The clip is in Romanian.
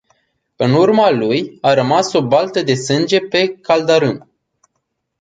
În urma lui, a rămas o baltă de sânge pe caldarâm.